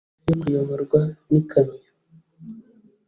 Naje hafi yo kuyoborwa n'ikamyo